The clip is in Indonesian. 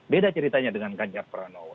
beda ceritanya dengan ganjar pranowo